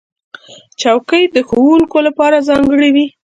چوکۍ د ښوونکو لپاره ځانګړې وي.